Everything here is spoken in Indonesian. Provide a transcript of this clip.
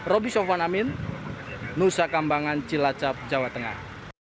roby sofwan amin nusa kambangan cilacap jawa tengah